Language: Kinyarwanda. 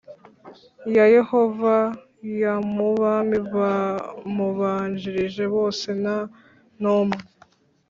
Ya yehova y mu bami bamubanjirije bose nta n umwe